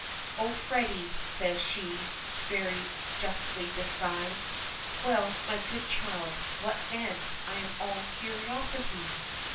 "Oh, Freddy," says she, very justly disgusted. "Well, my good child, what then? I'm all curiosity."